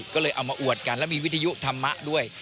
ก็เลยเอามาอวดกันแล้วมีวิทยุธรรมะด้วย